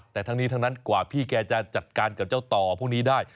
แต่ทั้งนี้ทั้งนั้นกว่าพี่แกจะจัดการกับเจ้าต่อพวกนี้ได้